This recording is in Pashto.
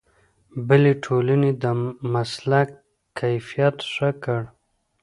بلې ټولنې د مسلک کیفیت ښه کړ.